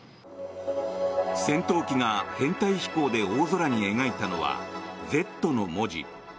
戦闘機が編隊飛行で大空に描いたのは「Ｚ」の文字。